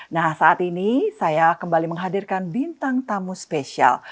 nah saat ini saya kembali menghadirkan bintang tamu spesial